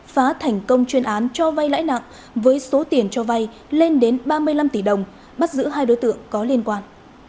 phá thành công chuyên án cho vay lãi nặng với số tiền cho vay lên đến ba mươi năm tỷ đồng bắt giữ hai đối tượng có liên quan